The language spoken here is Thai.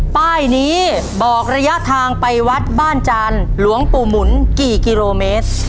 ป้ายนี้บอกระยะทางไปวัดบ้านจานหลวงปู่หมุนกี่กิโลเมตร